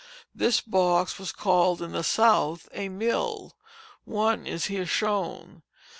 This box was called in the South a mill; one is here shown.